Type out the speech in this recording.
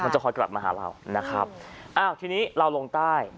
จะคอยกลับมาหาเรานะครับอ้าวทีนี้เราลงใต้